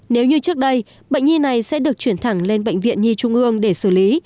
nếu như trước đây bệnh nhi này sẽ được chuyển thẳng lên bệnh viện nhi trung ương để xử lý